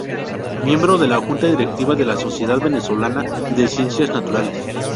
Miembro de la junta directiva de la Sociedad Venezolana de Ciencias Naturales.